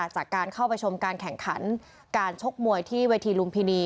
จากการเข้าไปชมการแข่งขันการชกมวยที่เวทีลุมพินี